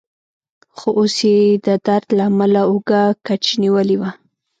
خو اوس يې د درد له امله اوږه کج نیولې وه.